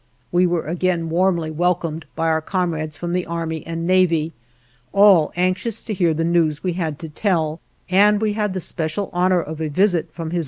We were again warmly welcomed by our comrades from the Army and Navy, all anxious to hear the news we had to tell, and we had the special honor of a visit from H.R.